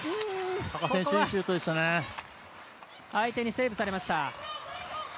相手にセーブされました。